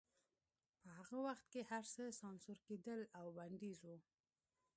په هغه وخت کې هرڅه سانسور کېدل او بندیز و